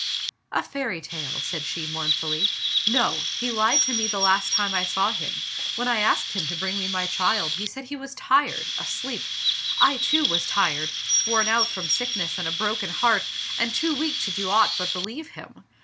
" A fairy tale," said she mournfully. " No ! He lied to me the last time I saw him. When I asked him to bring me my child, he said he was tired — asleep. I, too, was tired, worn out from sickness and a broken heart, and too weak to do aught but believe him.